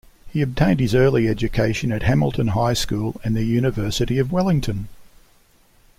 He obtained his early education at Hamilton High School and the University of Wellington.